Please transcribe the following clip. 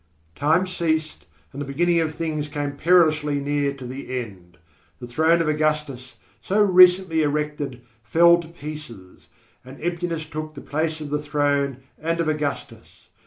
Time ceased and the beginning of things came perilously near to the end. The throne of Augustus, so recently erected, fell to pieces, and emptiness took the place of the throne and of Augustus.